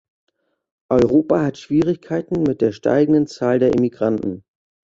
Europa hat Schwierigkeiten mit der steigenden Zahl der Emigranten.